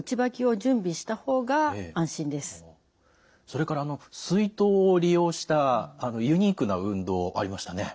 それから水筒を利用したユニークな運動ありましたね。